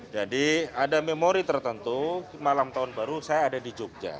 jadi ada memori tertentu malam tahun baru saya ada di jogja